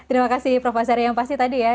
terima kasih prof asyari yang pasti tadi